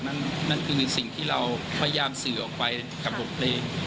นั่นคือสิ่งที่เราพยายามสื่อออกไปกับบทเพลง